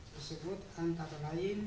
disebut antara lain